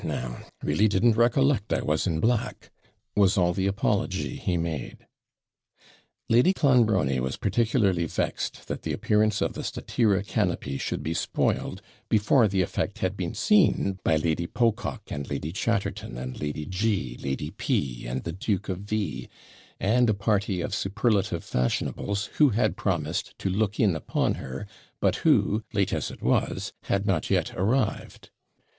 'Eh, now! really didn't recollect I was in black,' was all the apology he made. Lady Clonbrony was particularly vexed that the appearance of the statira, canopy should be spoiled before the effect had been seen by Lady Pococke, and Lady Chatterton, and Lady G , Lady P , and the Duke of V , and a party of superlative fashionables, who had promised TO LOOK IN UPON HER, but who, late as it was, had not yet arrived.